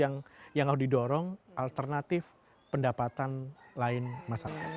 karena memang salah satu yang harus didorong alternatif pendapatan lain masyarakat